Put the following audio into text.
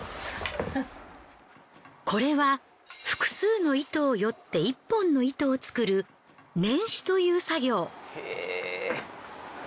これは複数の糸を撚って１本の糸を作る撚糸という作業。